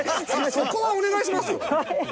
そこはお願いしますよ。